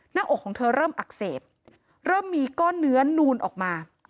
หน้าอกของเธอเริ่มอักเสบเริ่มมีก้อนเนื้อนูนออกมา